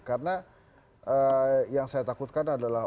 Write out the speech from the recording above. karena yang saya takutkan adalah orang lain